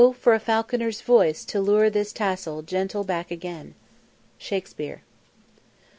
for a falconer's voice to lure This tassel gentle back again_." SHAKESPEARE.